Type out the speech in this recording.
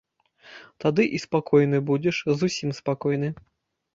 Тады і спакойны будзеш, зусім спакойны.